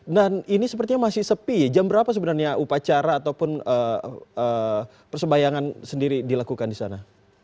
dan ini sepertinya masih sepi jam berapa sebenarnya upacara ataupun persebayangan sendiri dilakukan disana